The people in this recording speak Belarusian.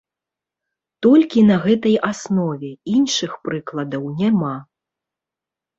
Толькі на гэтай аснове, іншых прыкладаў няма.